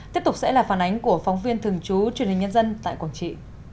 tiếp tục sẽ là phản ánh của phóng viên thường trú truyền hình nhân dân tại quảng trị